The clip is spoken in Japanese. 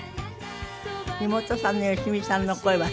妹さんの良美さんの声は。